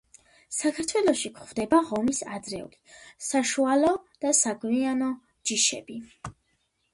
საქართველოში გვხვდება ღომის ადრეული, საშუალო და საგვიანო ჯიშები.